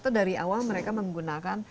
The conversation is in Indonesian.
atau dari awal mereka menggunakan